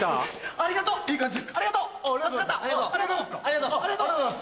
ありがとうございます。